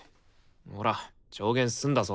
ほら調弦済んだぞ。